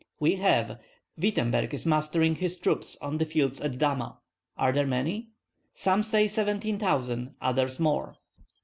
"We have. Wittemberg is mustering his troops on the fields at Dama." "Are there many?" "Some say seventeen thousand, others more."